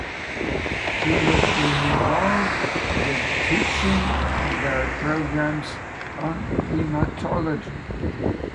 She has been involved with the teaching of their programs on haematology.